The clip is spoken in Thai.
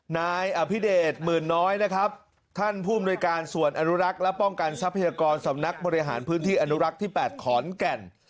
นายอภิเดชหมื่นน้อยนะครับท่านผู้อำนวยการส่วนอนุรักษ์และป้องกันทรัพยากรสำนักบริหารพื้นที่อนุรักษ์ที่๘ขอนแก่น